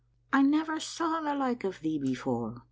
I never saw the like of thee before.